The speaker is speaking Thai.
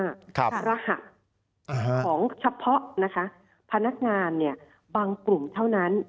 ของเฉพาะพนักงานบางกลุ่มเท่านั้น